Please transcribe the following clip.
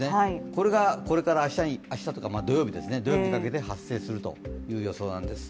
これがこれから土曜日にかけて発生するという予想です。